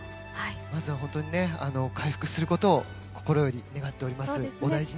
まずは本当に回復することを心より願っております。